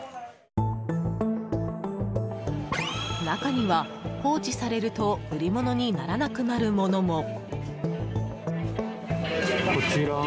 中には、放置されると売り物にならなくなるものも。